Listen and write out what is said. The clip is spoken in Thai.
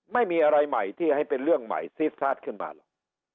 ไม่มีอะไรใหม่ที่ให้เป็นเรื่องใหม่ซีดซาสขึ้นมาหรอก